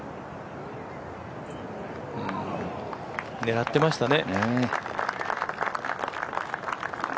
狙ってましたね。